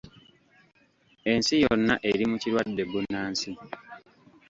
Ensi yonna eri mu kirwadde bbunansi.